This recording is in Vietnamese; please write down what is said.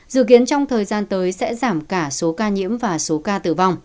dự kiến trong thời gian tới sẽ giảm rõ rệt